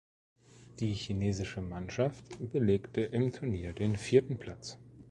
Die chinesische Mannschaft belegte im Turnier den vierten Platz.